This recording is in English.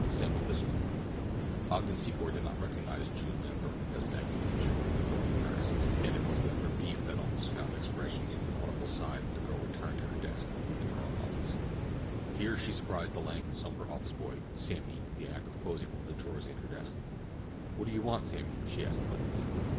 — SAMMY THE SLEUTH Ogden Secor did not recognize June Lathrop as Maggie Lynch, the girl from Farris's, and it was with relief that almost found expression in an audible sigh that the girl returned to her desk in her own office. Here she surprised the lank and somber office boy, Sammy, in the act of closing one of the drawers of her desk. "What do you want, Sammy?" she asked pleasantly.